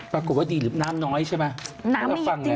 ปรากฎว่าดีหรือน้ำน้อยใช่ไหม